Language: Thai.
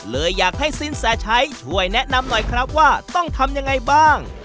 เลยอยากให้สินแสชัยช่วยแนะนำหน่อยครับว่าต้องทำยังไงบ้าง